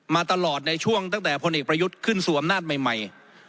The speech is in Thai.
มาตลอดในช่วงตั้งแต่พลเอกประยุทธ์ขึ้นสู่อำนาจใหม่